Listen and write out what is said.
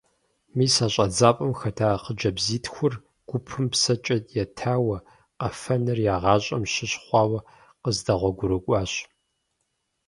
Мис а щӀэдзапӀэм хэта хъыджэбзитхур гупым псэкӀэ етауэ, къэфэныр я гъащӀэм щыщ хъуауэ къыздэгъуэгурыкӀуащ.